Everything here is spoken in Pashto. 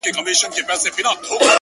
گراني اوس دي سترگي رانه پټي كړه،